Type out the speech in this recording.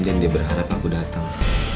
dan dia berharap aku dateng